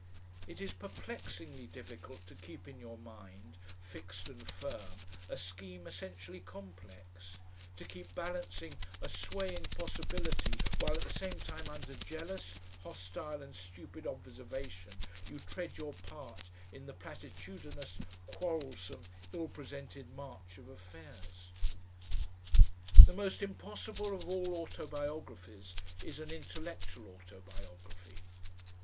It is perplexingly difficult to keep in your mind, fixed and firm, a scheme essentially complex, to keep balancing a swaying possibility while at the same time under jealous, hostile, and stupid observation you tread your part in the platitudinous, quarrelsome, ill presented march of affairs.... The most impossible of all autobiographies is an intellectual autobiography.